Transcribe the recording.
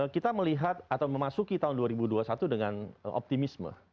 kita melihat atau memasuki tahun dua ribu dua puluh satu dengan optimisme